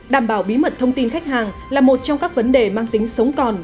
đảm bảo bí mật thông tin khách hàng là một trong các vấn đề mang tính sống còn